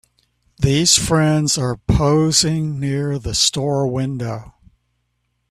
These friends are posing near the store window.